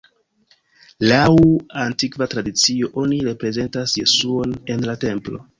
Laŭ antikva tradicio, oni reprezentas Jesuon en la Templo.